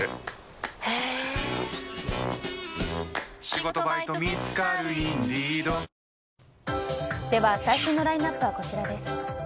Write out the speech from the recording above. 渋谷で私も最新のラインアップはこちらです。